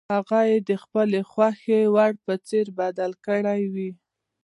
هغه یې د خپلې خوښې وړ په څیز بدل کړی وي.